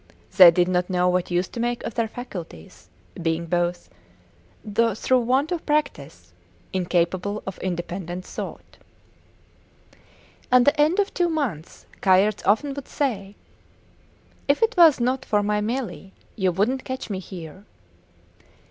They did not know what use to make of their faculties, being both, through want of practice, incapable of independent thought. At the end of two months Kayerts often would say, If it was not for my Melie, you wouldnt catch me here.